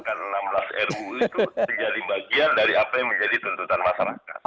kita sudah mengeluarkan enam belas ruu itu menjadi bagian dari apa yang menjadi tuntutan masyarakat